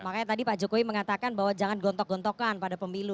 makanya tadi pak jokowi mengatakan bahwa jangan gontok gontokan pada pemilu